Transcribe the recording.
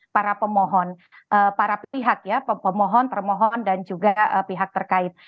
para pemohon para pihak ya pemohon termohon dan juga pihak terkait